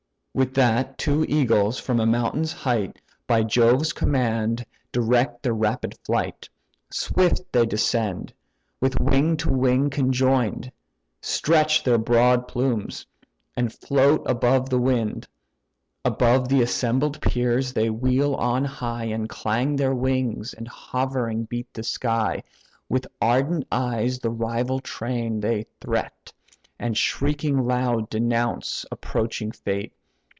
With that, two eagles from a mountain's height By Jove's command direct their rapid flight; Swift they descend, with wing to wing conjoin'd, Stretch their broad plumes, and float upon the wind. Above the assembled peers they wheel on high, And clang their wings, and hovering beat the sky; With ardent eyes the rival train they threat, And shrieking loud denounce approaching fate.